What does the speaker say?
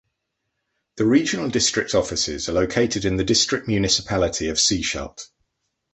The regional district offices are located in the District Municipality of Sechelt.